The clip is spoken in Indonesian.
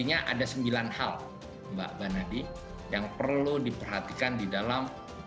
artinya ada sembilan hal mbak banadi yang perlu diperhatikan di dalam